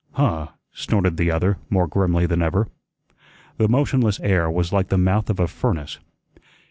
"Huh!" snorted the other more grimly than ever. The motionless air was like the mouth of a furnace.